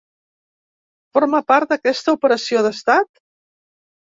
Forma part d’aquesta operació d’estat?